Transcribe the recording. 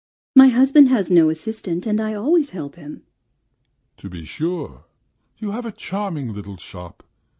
"My husband has no assistant, and I always help him." "To be sure. ... You have a charming little shop!